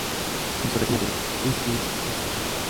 En su reseña de "Is This Desire?